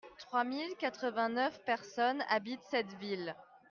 Trois mille quatre-vingt-neuf personnes habitent cette ville.